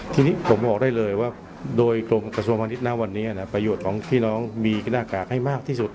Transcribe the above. ทีนี้ผมบอกได้เลยว่าโดยตรงกระทรวงพาณิชยณวันนี้ประโยชน์ของพี่น้องมีหน้ากากให้มากที่สุด